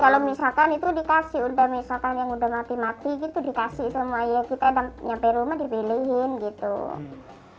kalau misalkan itu dikasih udah misalkan yang udah mati mati gitu dikasih sama ayah kita dan nyampe rumah dibeluin gitu